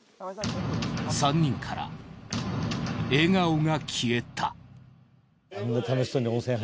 ３人から笑顔が消えた。